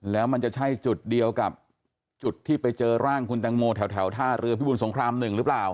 แล้วมันจะใช่จุดเดียวกับจุดที่ไปเจอร่างคุณแตงโมแถวท่าเรือพิบูรสงคราม๑หรือเปล่า